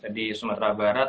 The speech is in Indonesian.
di sumatera barat